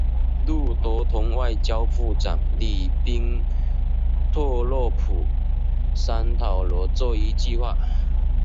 路德同外交部长里宾特洛甫商讨了这一计划。